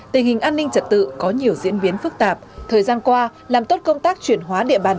tình hình an ninh trật tự có nhiều diễn biến phức tạp thời gian qua làm tốt công tác chuyển hóa địa bàn